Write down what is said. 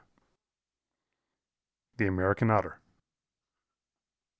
] THE AMERICAN OTTER.